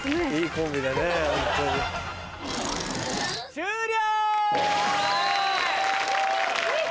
終了！